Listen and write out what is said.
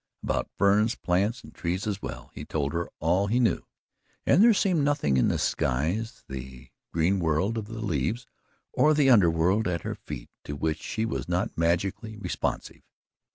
About ferns, plants and trees as well, he told her all he knew, and there seemed nothing in the skies, the green world of the leaves or the under world at her feet to which she was not magically responsive.